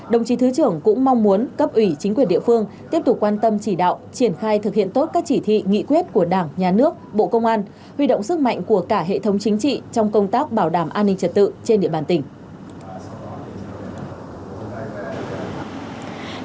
đồng chí thứ trưởng cũng mong muốn cấp ủy chính quyền địa phương tiếp tục quan tâm chỉ đạo triển khai thực hiện tốt các chỉ thị nghị quyết của đảng nhà nước bộ công an huy động sức mạnh của cả hệ thống chính trị trong công tác bảo đảm an ninh trật tự trên địa bàn tỉnh